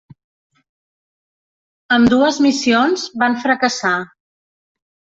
Ambdues missions van fracassar.